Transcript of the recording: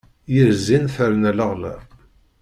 Yir zzin terna leɣla.